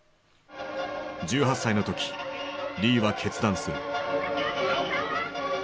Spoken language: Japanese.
１８歳の時リーは決断する。